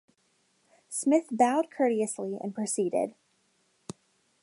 Smith bowed courteously and proceeded.